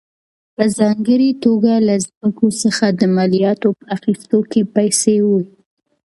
په ځانګړې توګه له ځمکو څخه د مالیاتو په اخیستو کې پیسې وې.